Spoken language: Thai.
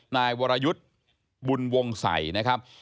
นายวรยุทธ์บุญวงศัยนะครับ